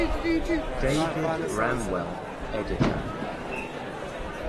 David Bramwell (Editor).